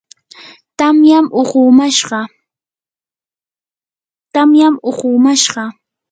tamyam uqumashqa.